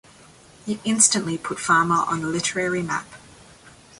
It instantly put Farmer on the literary map.